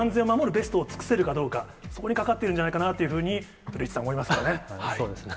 ベストを尽くせるかどうか、そこにかかっているんじゃないかというふうに、古市さん、思いまそうですね。